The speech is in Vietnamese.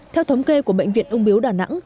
theo thống kê của bệnh viện ung biếu đà nẵng